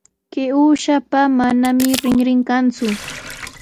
Kay uushapa manami rinrin kanku.